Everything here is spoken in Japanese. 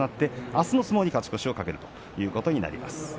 あすの相撲に勝ち越しを懸けるということになります。